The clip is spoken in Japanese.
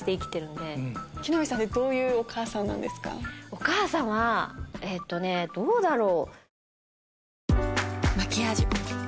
お母さんはえっとねどうだろう。